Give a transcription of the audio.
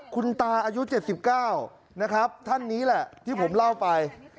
คุณตาอายุเจ็บสิบเก้านะครับท่านนี้แหละที่ผมเล่าไป